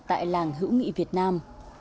tại làng hữu nghị việt nam